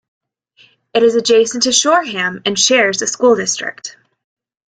It is adjacent to Shoreham and shares a school district.